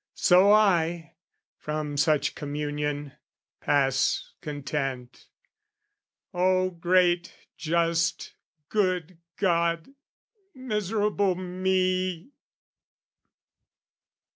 So I, from such communion, pass content... O great, just, good God! Miserable me!